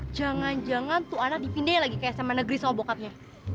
jangan jangan tuh anak dipindahin lagi kayak sama negeri sama bokapnya